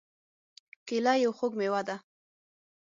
کېله یو خوږ مېوه ده.